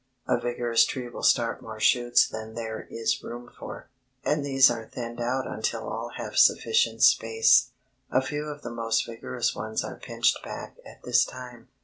A vigorous tree will start more shoots than there is room for, and these are thinned out until all have sufficient space. A few of the most vigorous ones are pinched back at this time.